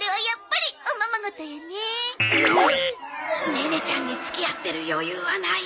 ネネちゃんに付き合ってる余裕はない